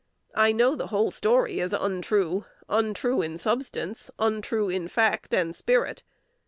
I know the whole story is untrue, untrue in substance, untrue in fact and spirit.